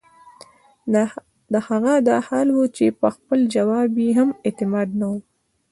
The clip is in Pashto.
د هغه دا حال وۀ چې پۀ خپل جواب ئې هم اعتماد نۀ وۀ